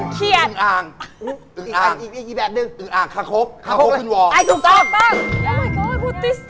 เขียนอ่างอ่างอีกแบบนึงอ่างคาคกคาคกคุณวอร์อ่ะถูกต้อง